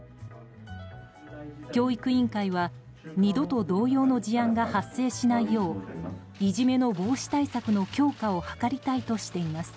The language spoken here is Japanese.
教育委員会は二度と同様の事案が発生しないよういじめの防止対策の強化を図りたいとしています。